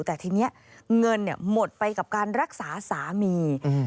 แต่ทีนี้เงินเนี่ยหมดไปกับการรักษาสามี